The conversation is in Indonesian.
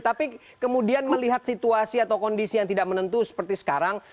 tapi kemudian melihat situasi atau kondisi yang tidak menentu seperti sekarang